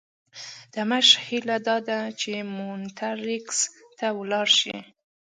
د مشر هیله داده چې مونټریکس ته ولاړ شي.